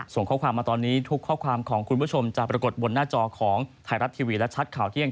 ส่งข้อความมาตอนนี้ทุกข้อความของคุณผู้ชมจะปรากฏบนหน้าจอของไทยรัฐทีวีและชัดข่าวเที่ยง